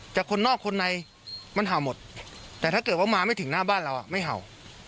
คนนอกคนในมันเห่าหมดแต่ถ้าเกิดว่ามาไม่ถึงหน้าบ้านเราไม่เห่า